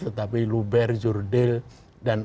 tetapi luber jurdil dan